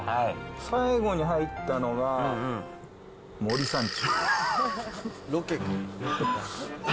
最後に入ったのは森三中。